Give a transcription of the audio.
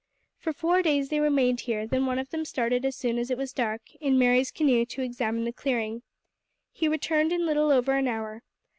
For four days they remained here; then one of them started as soon as it was dark, in Mary's canoe, to examine the clearing. He returned in little over an hour.